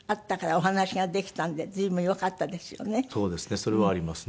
それはありますね。